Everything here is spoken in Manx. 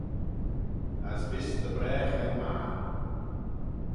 As vees dy bragh er mayrn.